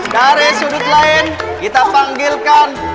dari sudut lain kita panggilkan